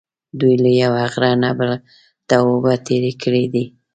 دوی له یوه غره نه بل ته اوبه تېرې کړې دي.